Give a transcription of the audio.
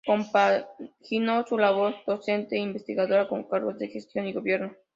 Compaginó su labor docente e investigadora con cargos de gestión y gobierno.